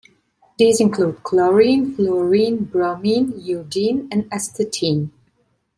These include chlorine, fluorine, bromine, iodine, and astatine.